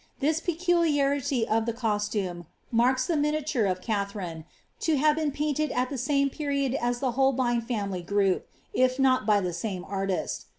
This peculiarity of the costume marks the miniature of Katliarine to have been painted at the same period as the Holbeio family group, if not by the same artist.